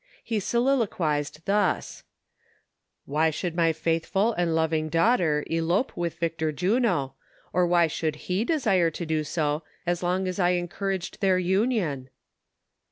He soliloquized thus :" Why should my faithful and loving daughter elope with Victor Juno, or wliy should 7ie desire to do so, as long as I en couraged their union